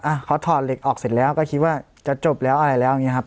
เขาถอดเหล็กออกเสร็จแล้วก็คิดว่าจะจบแล้วอะไรแล้วอย่างเงี้ครับ